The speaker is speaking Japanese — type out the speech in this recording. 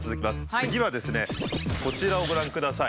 次はですねこちらをご覧ください。